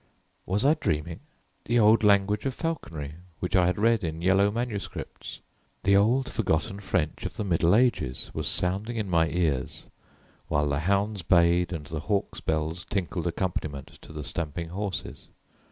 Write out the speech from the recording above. "_ Was I dreaming? The old language of falconry which I had read in yellow manuscripts the old forgotten French of the middle ages was sounding in my ears while the hounds bayed and the hawks' bells tinkled accompaniment to the stamping horses.